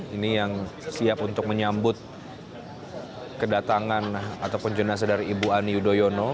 ini yang siap untuk menyambut kedatangan ataupun jenazah dari ibu ani yudhoyono